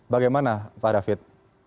bagaimana pak david